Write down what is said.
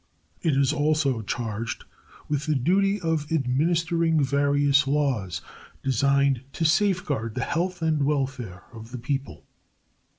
It is also charged with the duty of administering various laws designed to safeguard the health and welfare of the people.